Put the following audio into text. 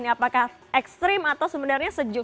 apakah ekstrim atau sebenarnya sejuk